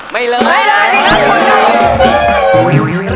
ไม่เลยนะครับ